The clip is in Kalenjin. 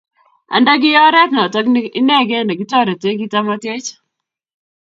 Anda ki oret notok inegei ne kitoretee kitameteech.